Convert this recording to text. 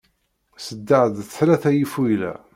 Sseddaɣ-d tlata ifuyla.